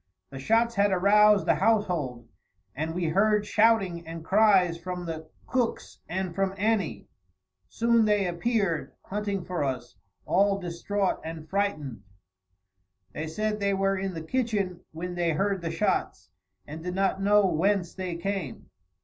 The shots had aroused the household, and we heard shouting and cries from the Cooks and from Annie. Soon they appeared, hunting for us, all distraught and frightened. They said they were in the kitchen when they heard the shots, and did not know whence they came.